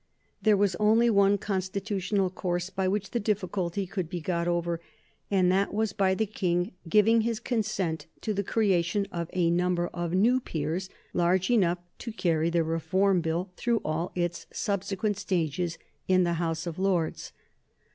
There was only one constitutional course by which the difficulty could be got over, and that was by the King giving his consent to the creation of a number of new peers large enough to carry the Reform Bill through all its subsequent stages in the House of Lords.